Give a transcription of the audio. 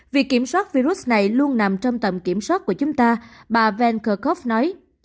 việc kiểm soát virus này luôn nằm trong tầm kiểm soát của chúng ta bà van kerkhove nói